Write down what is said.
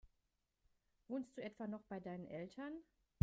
Wohnst du etwa noch bei deinen Eltern?